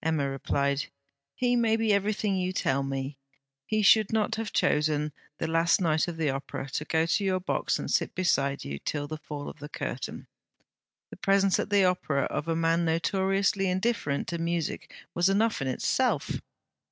Emma replied: 'He may be everything you tell me. He should not have chosen the last night of the Opera to go to your box and sit beside you till the fall of the curtain. The presence at the Opera of a man notoriously indifferent to music was enough in itself.'